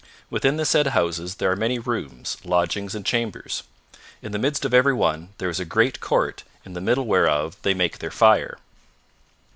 Within the said houses there are many rooms, lodgings and chambers. In the midst of every one there is a great court in the middle whereof they make their fire.